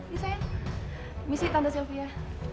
yuk sayang missi tante sylvia